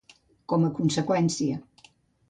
Com a conseqüència.